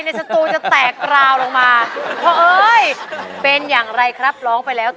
ติดกำดังหักคนเดียว